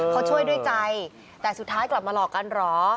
เขาช่วยด้วยใจแต่สุดท้ายกลับมาหลอกกันเหรอ